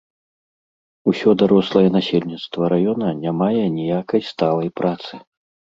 Усё дарослае насельніцтва раёна не мае ніякай сталай працы.